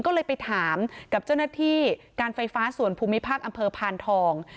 ก็เลยไปถามกับเจ้าหน้าที่การไฟฟ้าส่วนภูมิภาคอำเภอพานทอง